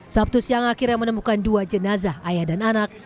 sabtu siang akhirnya menemukan dua jenazah ayah dan anak